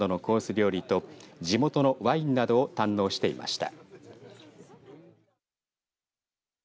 料理と地元のワインなどを堪能していました。